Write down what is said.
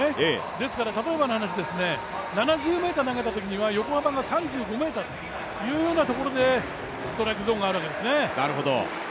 ですから例えばの話、７０ｍ投げたときには横幅は３２ｍというところでストライクゾーンがあるわけですね。